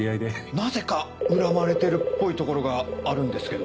なぜか恨まれてるっぽいところがあるんですけど。